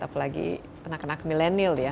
apalagi anak anak milenial ya